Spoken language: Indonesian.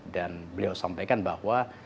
dan beliau sampaikan bahwa